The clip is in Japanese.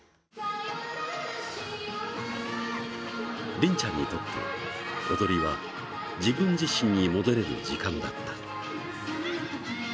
りんちゃんにとって踊りは自分自身に戻れる時間だった。